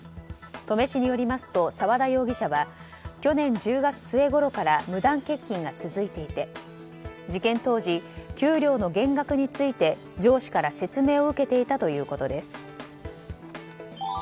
登米市によりますと澤田容疑者は去年１０月末ごろから無断欠勤が続いていて事件当時、給料の減額について上司から説明を受けていたということです。